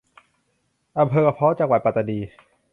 อำเภอกะพ้อ จังหวัดปัตตานี